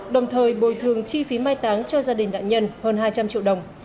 đồng thời bồi thường chi phí mai táng cho gia đình nạn nhân hơn hai trăm linh triệu đồng